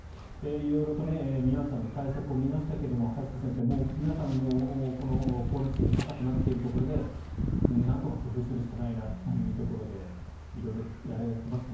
色々と皆さんの対策を見ましたけど早坂先生、皆さん光熱費が高くなっているところでなんとか工夫するしかないなというところでそうですね。